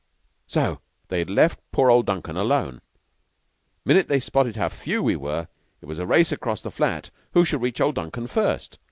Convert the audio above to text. So they had left poor old Duncan alone. 'Minute they spotted how few we were, it was a race across the flat who should reach old Duncan first.